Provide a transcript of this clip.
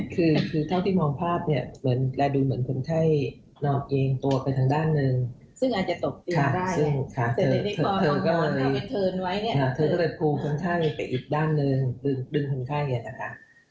ก็ขยันให้ดังนึงดึงคนไข้อย่างเงี้ยนะคะ